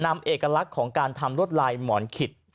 เอกลักษณ์ของการทำรวดลายหมอนขิด